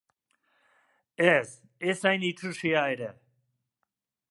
Ez, ez hain itsusia ere.